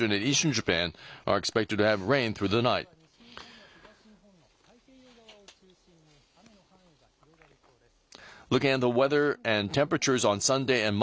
夜にかけては西日本や東日本の太平洋側を中心に雨の範囲が広がりそうです。